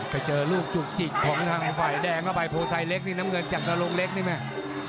ไปเจอลูกจุกจิกของทางฝ่ายแดงเข้าไปโพไซเล็กนี่น้ำเงินจากนรงเล็กนี่แม่